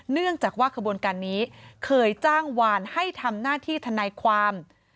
เนื่องจากว่าขบวนการนี้เคยจ้างวานให้ทำหน้าที่ทนายความ